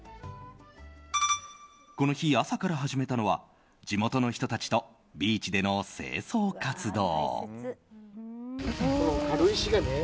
この日、朝から始めたのは地元の人たちとビーチでの清掃活動。